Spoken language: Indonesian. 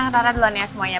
rara duluan ya semuanya